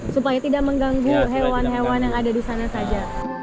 supaya tidak mengganggu hewan hewan yang ada di sana saja